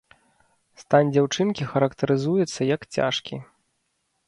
Стан дзяўчынкі характарызуецца як цяжкі.